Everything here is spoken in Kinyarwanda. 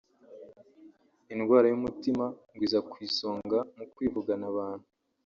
indwara y’umutima ngo iza ku isonga mu kwivugana abantu